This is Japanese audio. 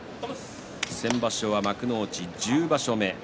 先場所は幕内１０場所目。